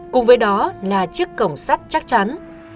cùng với đó là chiếc cổng sắt chắc chắn